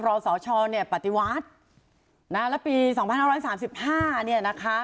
เราสอชรปฏิวัติแล้วปีสองพันห้าร้อยสามสิบห้าเนี่ยนะคะ